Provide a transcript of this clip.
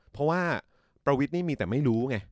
เพราะว่าประวิทย์นี่มีแต่ไม่รู้ไง